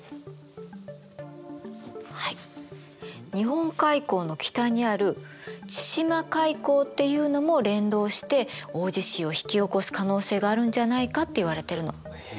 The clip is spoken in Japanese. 日本海溝の北にある千島海溝っていうのも連動して大地震を引き起こす可能性があるんじゃないかっていわれてるの。